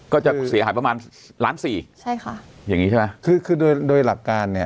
ก็จะเสียหายประมาณล้านสี่ใช่ค่ะอย่างงี้ใช่ไหมคือคือโดยโดยหลักการเนี้ย